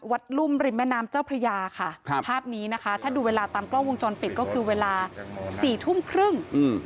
ลุ่มริมแม่น้ำเจ้าพระยาค่ะภาพนี้นะคะถ้าดูเวลาตามกล้องวงจรปิดก็คือเวลาสี่ทุ่มครึ่ง